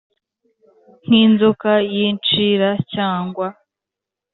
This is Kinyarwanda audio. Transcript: nk’inzoka y’inshira cyangwa